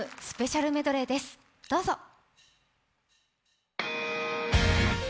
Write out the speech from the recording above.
スペシャルメドレーです、どうぞ。